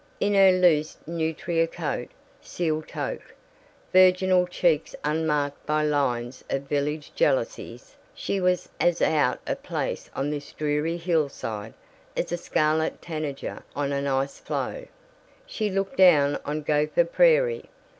In her loose nutria coat, seal toque, virginal cheeks unmarked by lines of village jealousies, she was as out of place on this dreary hillside as a scarlet tanager on an ice floe. She looked down on Gopher Prairie.